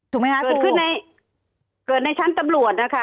เกิดขึ้นในชั้นตำรวจนะคะ